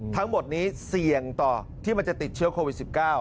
ทั้งหมดนี้เสี่ยงต่อที่มันจะติดเชื้อโควิด๑๙